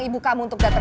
mereka belum pulang